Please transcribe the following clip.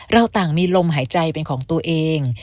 เราต่างมีลมหายใจเป็นของตัวเอง